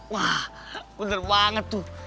wah bener banget tuh